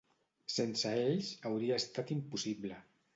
Sense ells, hauria estat impossible.